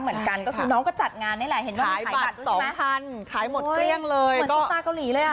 เห็นว่ามีไขปัดนะใช่ไหม